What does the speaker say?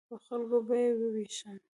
په خلکو به یې ووېشم.